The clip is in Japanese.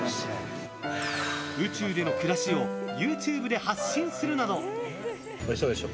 宇宙での暮らしをＹｏｕＴｕｂｅで発信するなど。